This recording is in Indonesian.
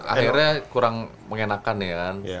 akhirnya kurang mengenakan ya kan